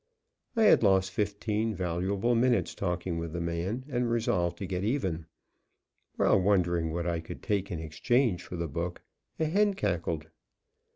I had lost fifteen valuable minutes talking with the man, and resolved to get even. While wondering what I could take in exchange for the book, a hen cackled.